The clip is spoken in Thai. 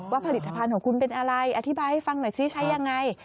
ผลิตภัณฑ์ของคุณเป็นอะไรอธิบายให้ฟังหน่อยซิใช้ยังไง